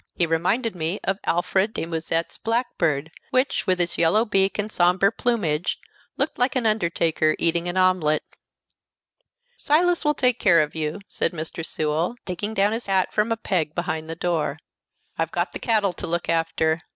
He reminded me of Alfred de Musset's blackbird, which, with its yellow beak and sombre plumage, looked like an undertaker eating an omelet. "Silas will take care of you," said Mr. Sewell, taking down his hat from a peg behind the door. "I've got the cattle to look after.